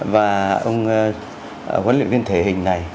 và ông huấn luyện viên thể hình này